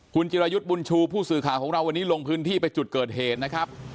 คุณจิรายุทธ์บุญชูผู้สื่อข่าวของเราวันนี้ลงพื้นที่ไปจุดเกิดเหตุนะครับ